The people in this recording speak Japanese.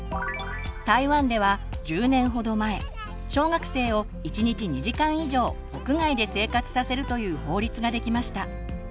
台湾では１０年ほど前小学生を１日２時間以上屋外で生活させるという法律ができました。